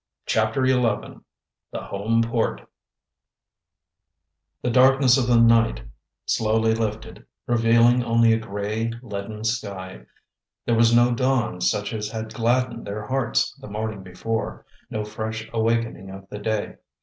CHAPTER XI THE HOME PORT The darkness of the night slowly lifted, revealing only a gray, leaden sky. There was no dawn such as had gladdened their hearts the morning before, no fresh awakening of the day.